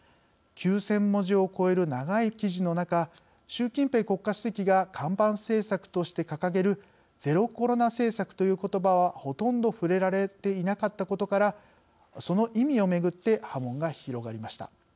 ９０００文字を超える長い記事の中、習近平国家主席が看板政策として掲げるゼロコロナ政策ということばはほとんど触れられていなかったことから、その意味をめぐって波紋が広がりました。